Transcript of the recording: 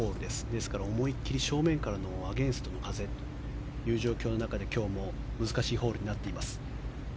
ですから思い切り正面からのアゲンストの風という状況の中で今日も難しいホールになっています。